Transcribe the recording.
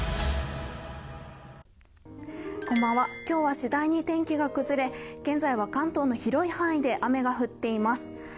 今日はしだいに天気が崩れ、現在は関東の広い範囲で雨が降っています。